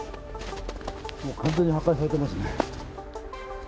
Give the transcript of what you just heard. もう完全に破壊されてますね。